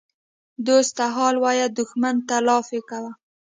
ـ دوست ته حال وایه دښمن ته لافي کوه.